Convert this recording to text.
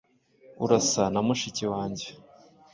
Urasa na mushiki wanjye.